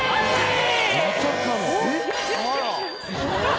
まさかの。